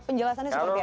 penjelasannya seperti apa